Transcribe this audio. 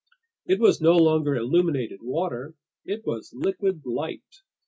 It was no longer illuminated water, it was liquid light.